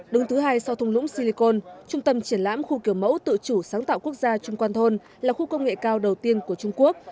đứng thứ hai sau thùng lũng silicon trung tâm triển lãm khu kiểu mẫu tự chủ sáng tạo quốc gia trung quan thôn là khu công nghệ cao đầu tiên của trung quốc